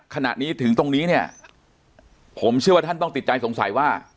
ขณะนี้ถึงตรงนี้เนี่ยผมเชื่อว่าท่านต้องติดใจสงสัยว่า